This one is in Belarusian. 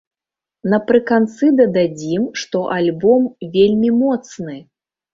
Напрыканцы дададзім, што альбом вельмі моцны!